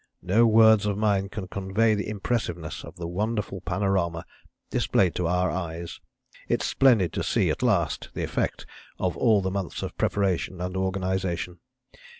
No words of mine can convey the impressiveness of the wonderful panorama displayed to our eyes.... It's splendid to see at last the effect of all the months of preparation and organisation.